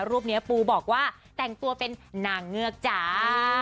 รูปนี้ปูบอกว่าแต่งตัวเป็นนางเงือกจ้า